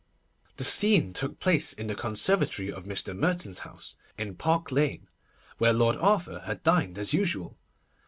The scene took place in the conservatory of Mr. Merton's house, in Park Lane, where Lord Arthur had dined as usual.